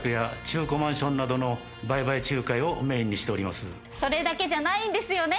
横浜を中心にそれだけじゃないんですよね？